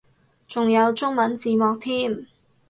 仲有中文字幕添